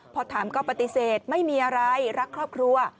พอถามก็ปฏิเสธไม่มีอะไรรักครอบครัว